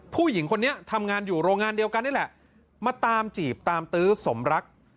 ผู้หญิงคนนี้ทำงานอยู่โรงงานเดียวกันนี่แหละมาตามจีบตามตื้อสมรัก